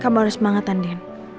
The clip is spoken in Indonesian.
kamu harus semangat andien